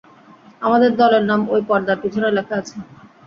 আমাদের দলের নাম ওই পর্দার পিছনে লেখা আছে।